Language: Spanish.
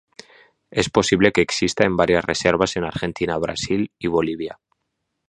Es posible que exista en varias reservas en Argentina, Brasil y Bolivia.